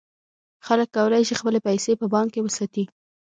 خلک کولای شي خپلې پیسې په بانک کې وساتي.